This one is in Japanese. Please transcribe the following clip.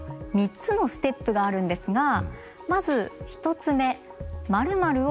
３つのステップがあるんですがまず１つ目「○○を考えてみよう！」。